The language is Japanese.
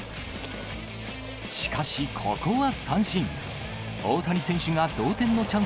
しかし、ここは三振。